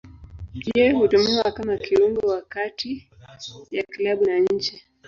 Yeye hutumiwa kama kiungo wa kati ya klabu na nchi.